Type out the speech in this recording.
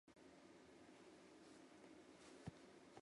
お願い止まって